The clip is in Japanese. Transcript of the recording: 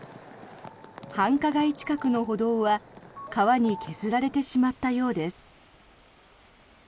繁華街近くの歩道は川に削られてしまったようです。